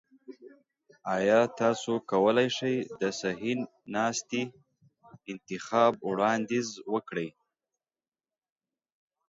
ایا تاسو کولی شئ د صحي ناستي انتخاب وړاندیز وکړئ؟